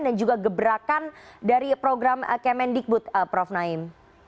dan juga gebrakan dari program kemendikbud prof naim